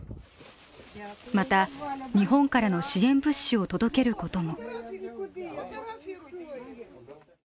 また、日本からの支援物資を届けることも。